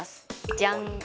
じゃん！